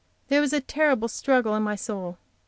There was a terrible struggle in my soul.